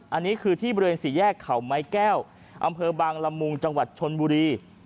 อันนี้คือที่บริเวณสี่แยกเขาไม้แก้วอำเภอบางละมุงจังหวัดชนบุรี